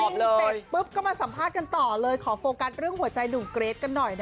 เสร็จปุ๊บก็มาสัมภาษณ์กันต่อเลยขอโฟกัสเรื่องหัวใจหนุ่มเกรทกันหน่อยนะ